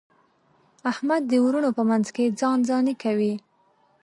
احمد د وروڼو په منځ کې ځان ځاني کوي.